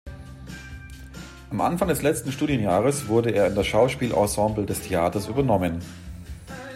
Am Anfang des letzten Studienjahres wurde er in das Schauspielensemble des Theaters übernommen.